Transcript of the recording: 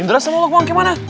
indra sama lok mau gimana